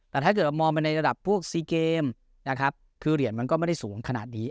แต่ถ้าเกิดเรามองไปในระดับพวกซีเกมนะครับคือเหรียญมันก็ไม่ได้สูงขนาดนี้